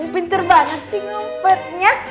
pinter banget sih ngumpetnya